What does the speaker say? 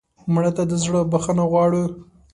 مړه ته د زړه بښنه غواړو